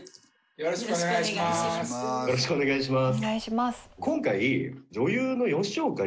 よろしくお願いします。